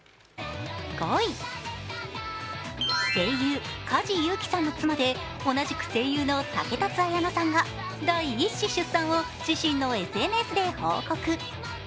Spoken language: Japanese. ５位、声優・梶裕貴さんの妻で同じく声優の竹達彩奈さんが第１子出産を自身のＳＮＳで報告。